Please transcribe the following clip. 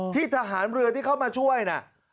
อ๋อที่ทหารเรือเข้ามาช่วยนะ